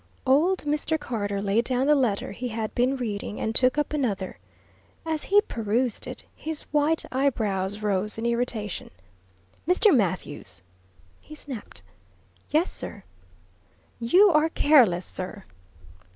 Old Mr. Carter laid down the letter he had been reading, and took up another. As he perused it his white eyebrows rose in irritation. "Mr. Mathews!" he snapped. "Yes, sir?" "You are careless, sir!"